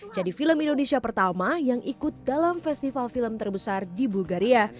jadi film indonesia pertama yang ikut dalam festival film terbesar di bulgaria